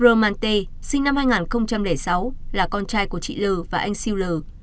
rơ ma pin sinh năm hai nghìn sáu là con trai của chị lờ và anh